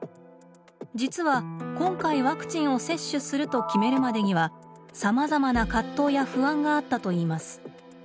実は今回ワクチンを接種すると決めるまでにはさまざまな葛藤や不安があったといいます。